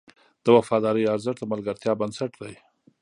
د وفادارۍ ارزښت د ملګرتیا بنسټ دی.